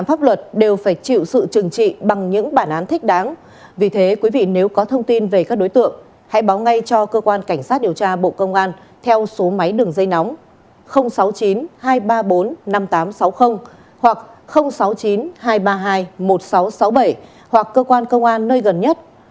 pháp luật đều phải chịu sự trừng trị bằng những bản án thích đáng vì thế quý vị nếu có thông tin về các đối tượng hãy báo ngay cho cơ quan cảnh sát điều tra bộ công an theo số máy đường dây nóng sáu mươi chín hai trăm ba mươi bốn năm nghìn tám trăm sáu mươi hoặc sáu mươi chín hai trăm ba mươi hai một nghìn sáu trăm sáu mươi bảy hoặc cơ quan công an nơi gần nhất